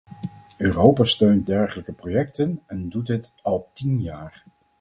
Europa steunt dergelijke projecten en doet dit al tien jaar.